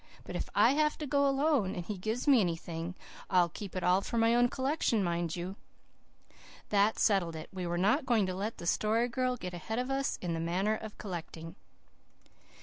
But if I have to go alone, and he gives me anything, I'll keep it all for my own collection, mind you." That settled it. We were not going to let the Story Girl get ahead of us in the manner of collecting.